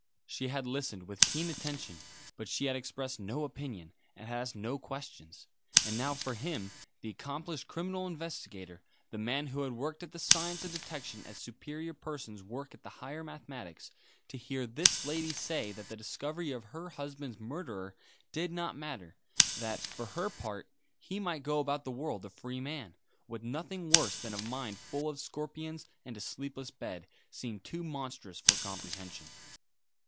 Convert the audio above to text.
She had listened with keen attention; but she had expressed no opinion, and had asked no questions. And now for him the accomplished Criminal Investigator, the man who had worked at the science of detection as superior persons work at the higher mathematics to hear this lady say that the discovery of her husband's murderer did not matter, that, for her part, he might go about the world a free man, with nothing worse than a mind full of scorpions and a sleepless bed, seemed too monstrous for comprehension.